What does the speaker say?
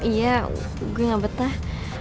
iya gue gak betah